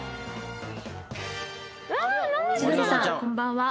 千鳥さんこんばんは。